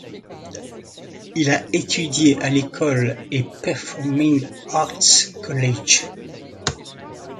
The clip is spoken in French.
Il a étudié à l'école et Performing Arts College.